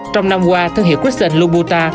trong năm qua thương hiệu christian lombuta